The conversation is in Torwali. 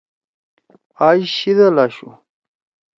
اش شیِدل آشو ۔